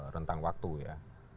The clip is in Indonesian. rentang waktu ya